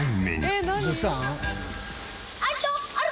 えっ！？